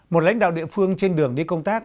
một lãnh đạo địa phương trên đường đi công tác